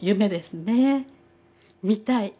見たい。